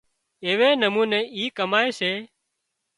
ايوي نموني اي ڪمائي سي